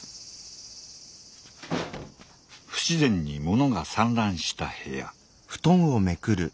不自然に物が散乱した部屋。